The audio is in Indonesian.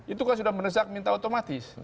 itu kan sudah mendesak minta otomatis